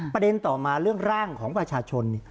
ประเด็นต่อมาเรื่องร่างของประชาชน